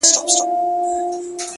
زما افغان ضمير له کاڼو جوړ گلي’